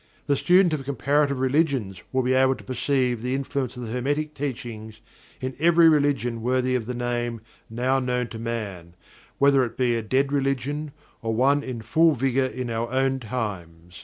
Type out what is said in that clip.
The student of Comparative Religions will be able to perceive the influence of the Hermetic Teachings in every religion worthy of the name, now known to man, whether it be a dead religion or one in full vigor in our own times.